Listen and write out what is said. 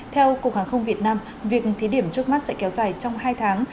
theo cục hàng không việt nam việc thí điểm trước mắt sẽ kéo dài trong hai tháng